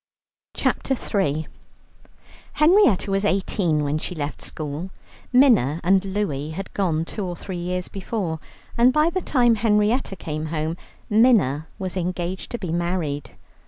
CHAPTER III Henrietta was eighteen when she left school. Minna and Louie had gone two or three years before, and by the time Henrietta came home, Minna was engaged to be married.